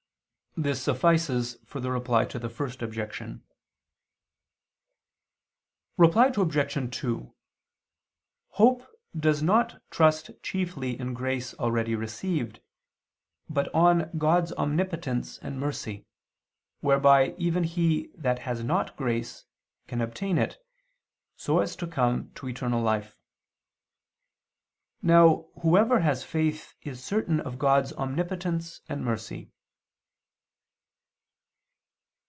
This suffices for the Reply to the First Objection. Reply Obj. 2: Hope does not trust chiefly in grace already received, but on God's omnipotence and mercy, whereby even he that has not grace, can obtain it, so as to come to eternal life. Now whoever has faith is certain of God's omnipotence and mercy.